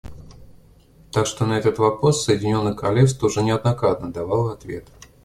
Так что на этот вопрос Соединенное Королевство уже неоднократно давало ответ.